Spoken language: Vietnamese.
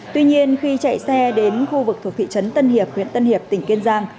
tuy nhiên khi chạy xe đến khu vực thuộc thị trấn tân hiệp huyện tân hiệp tỉnh kiên giang